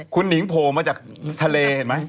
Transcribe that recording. คุณหนิงโผล่มาจากทะเลเห็นไหม